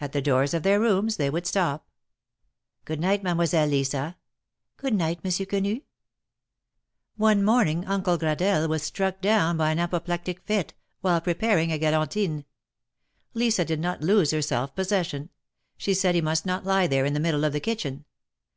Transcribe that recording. At the doors of their rooms they would stop. " Good night, Mademoiselle Lisa." " Good night, Monsieur Quenu." One morning. Uncle Gradelle was struck down by an apoplectic fit, while preparing a galantine. Lisa did not lose her self possession ; she said he must not lie there in the middle of the kitchen.